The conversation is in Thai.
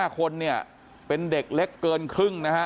๕คนเนี่ยเป็นเด็กเล็กเกินครึ่งนะฮะ